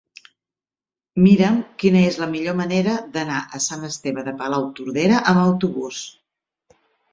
Mira'm quina és la millor manera d'anar a Sant Esteve de Palautordera amb autobús.